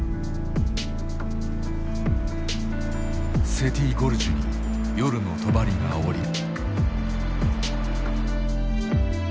セティ・ゴルジュに夜のとばりが下りる。